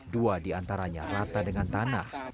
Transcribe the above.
dua diantaranya rata dengan tanah